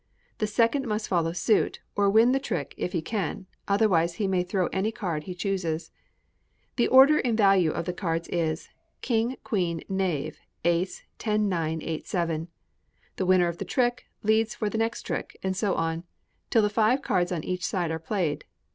The second must follow suit, or win the trick if he can; otherwise he may throw any card he chooses. The order in value of the cards is king, queen, knave, ace, ten, nine, eight, seven. The winner of the trick leads for the next trick, and so on, till the five cards on each side are played.